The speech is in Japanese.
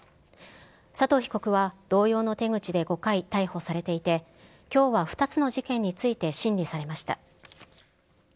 佐藤被告は、同様の手口で５回、逮捕されていて、きょうは２つの事件について審理されました。